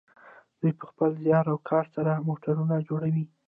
دوی په خپل زیار او کار سره موټرونه جوړوي.